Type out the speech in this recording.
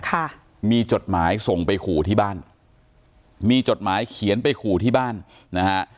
ค่ะมีจดหมายส่งไปขู่ที่บ้านมีจดหมายเขียนไปขู่ที่บ้านนะฮะ